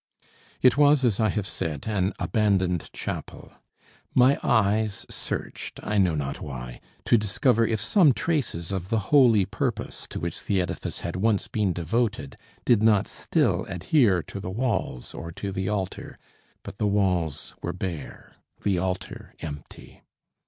It was, as I have said, an abandoned chapel. My eyes searched I know not why to discover if some traces of the holy purpose to which the edifice had once been devoted did not still adhere to the walls or to the altar; but the walls were bare, the altar empty.